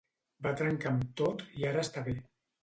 Va trencar amb tot i ara està bé.